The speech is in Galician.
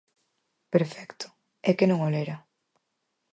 Perfecto, é que non o lera.